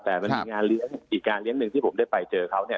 แต่มันมีงานเลี้ยงอีกงานเลี้ยงหนึ่งที่ผมได้ไปเจอเขาเนี่ย